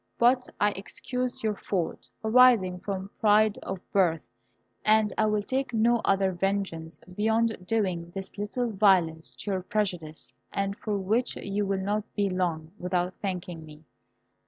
But I excuse your fault, arising from pride of birth, and I will take no other vengeance beyond doing this little violence to your prejudices, and for which you will not be long without thanking me."